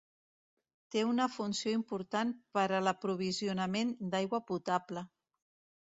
Té una funció important per a l'aprovisionament d'aigua potable.